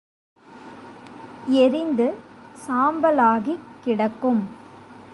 எரிந்து சாம்பலாகிக் கிடக்கும்.